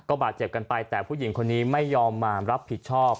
บาดเจ็บกันไปแต่ผู้หญิงคนนี้ไม่ยอมมารับผิดชอบ